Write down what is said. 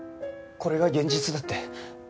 これが現実だって。